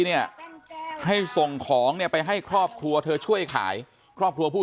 เนี่ยให้ส่งของเนี่ยไปให้ครอบครัวเธอช่วยขายครอบครัวผู้